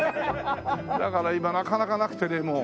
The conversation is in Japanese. だから今なかなかなくてねもう。